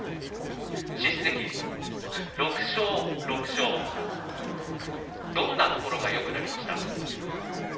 獅司関、６勝、６勝どんなところがよくなりました？